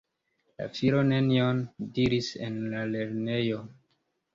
La filo nenion diris en la lernejo.